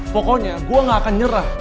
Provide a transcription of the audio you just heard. pokoknya gue gak akan nyerah